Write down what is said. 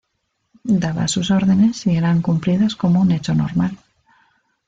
Daba sus órdenes y eran cumplidas como un hecho normal.